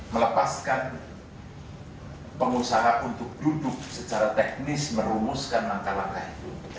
melepaskan pengusaha untuk duduk secara teknis merumuskan langkah langkah itu